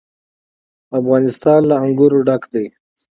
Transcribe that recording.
افغانستان له انګور ډک دی.